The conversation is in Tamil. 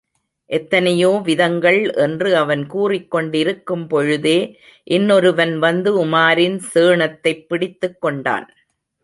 எத்தனையோ விதங்கள் என்று அவன் கூறிக் கொண்டிருக்கும் பொழுதே இன்னொருவன் வந்து உமாரின் சேணத்தைப் பிடித்துக் கொண்டான்.